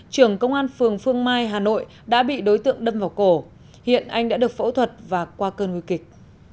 trưởng công an phường phương mai hà nội đã bị đối tượng đâm vào cổ hiện anh đã được phẫu thuật và qua cơn nguy kịch